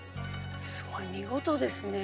すごい見事ですね。